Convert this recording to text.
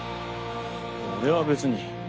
俺は別に。